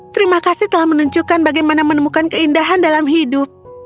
terima kasih telah menunjukkan bagaimana menemukan keindahan dalam hidup